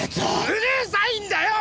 うるさいんだよ！